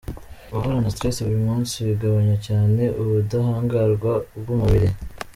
Guhorana stress buri munsi bigabanya cyane ubudahangarwa bw’umubiri.